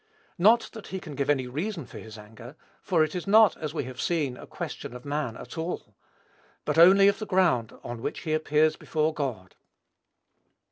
Not that he can give any reason for his anger; for it is not, as we have seen, a question of man at all, but only of the ground on which he appears before God.